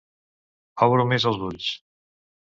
Obro més els ulls.